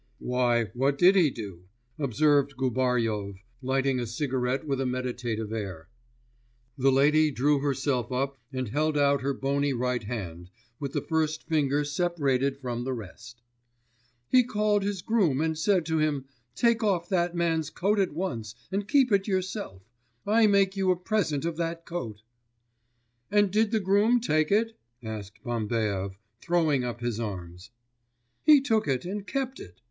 'Why, what did he do?' observed Gubaryov, lighting a cigarette with a meditative air. The lady drew herself up and held out her bony right hand, with the first finger separated from the rest. 'He called his groom and said to him, "Take off that man's coat at once, and keep it yourself. I make you a present of that coat!"' 'And did the groom take it?' asked Bambaev, throwing up his arms. 'He took it and kept it.